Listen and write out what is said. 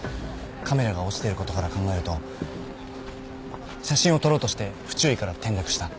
カメラが落ちてることから考えると写真を撮ろうとして不注意から転落した。